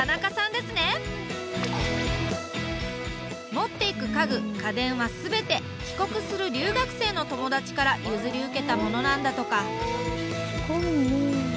持っていく家具家電は全て帰国する留学生の友達から譲り受けたものなんだとか。